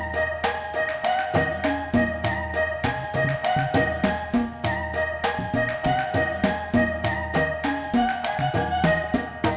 kamu yang suka bikin kopi